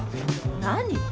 何？